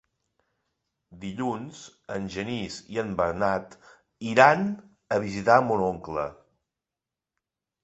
Dilluns en Genís i en Bernat iran a visitar mon oncle.